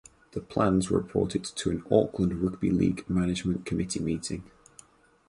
The plans were reported to an Auckland Rugby League Management Committee meeting.